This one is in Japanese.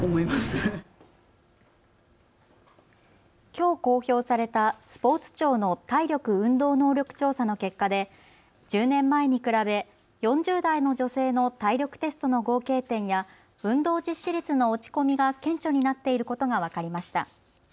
きょう公表されたスポーツ庁の体力・運動能力調査の結果で１０年前に比べ、４０代の女性の体力テストの合計点や運動実施率の落ち込みが顕著になっていることが分かりました。